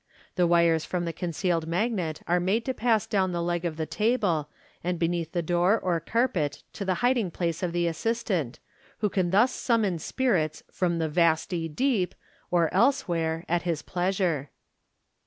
The wires from the concealed magnet are made to pass down the leg of the table, and beneath the floor or carpet to the hiding place of the assistant, who can thus summon spirits " from the vasty deep " or elsewhere, at his pleasure.